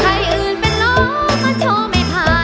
ใครอื่นเป็นเรามันชอบไม่พา